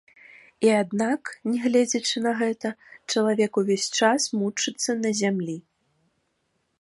І аднак, нягледзячы на гэта, чалавек увесь час мучыцца на зямлі.